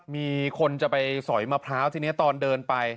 มีคนจะไปสอยมะพร้าวทีนี้ตอนเดินไป